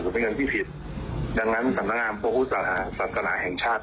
จะเป็นอย่างที่ผิดดังนั้นสรรค์ทางงามโปรภุษศาสตร์ศัลกนาแห่งชาติ